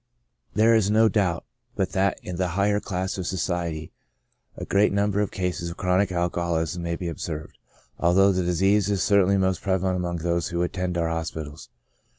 There is no doubt but that in the higher class of society a great number of cases of chronic alcoholism may be ob served, although the disease is certainly most prevalent among those who attend our hospitals.